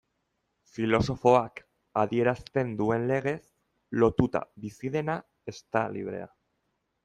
Filosofoak adierazten duen legez, lotuta bizi dena ez da librea.